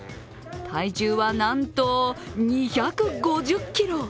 体重は、なんと２５０ｋｇ。